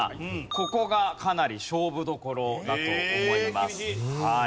ここがかなり勝負どころだと思います。